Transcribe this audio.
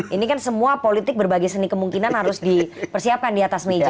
ini kan semua politik berbagai seni kemungkinan harus dipersiapkan di atas meja